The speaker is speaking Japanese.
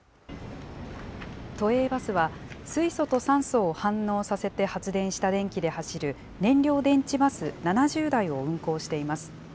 都営バスは、水素と酸素を反応させて発電した電気で走る燃料電池バス７０台を運行しています。